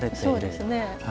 そうですね。